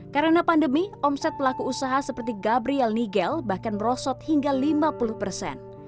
karena pandemi omset pelaku usaha seperti gabriel nigel bahkan merosot hingga lima puluh persen